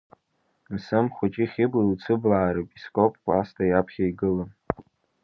Мсым Хәыҷи Хьыблеи цыблаа репископ Кәасҭа иаԥхьа игылан.